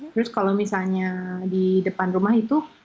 terus kalau misalnya di depan rumah itu